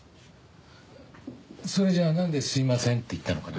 それじゃあなんですいませんって言ったのかな？